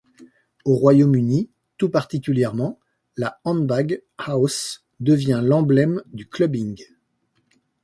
Au Royaume-Uni tout particulièrement, la handbag house devient l'emblème du clubbing.